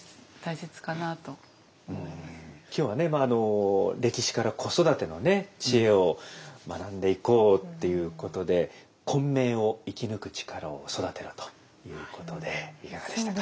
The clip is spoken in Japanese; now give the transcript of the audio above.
まああの歴史から子育てのね知恵を学んでいこうっていうことで混迷を生き抜く力を育てろということでいかがでしたか？